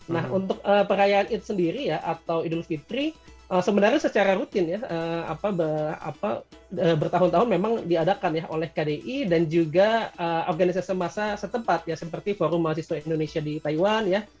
nah untuk perayaan itu sendiri ya atau idul fitri sebenarnya secara rutin ya bertahun tahun memang diadakan ya oleh kdi dan juga organisasi masa setempat ya seperti forum mahasiswa indonesia di taiwan ya